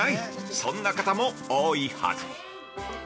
そんな方も多いはず。